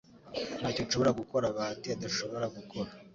Ntacyo nshobora gukora Bahati adashobora gukora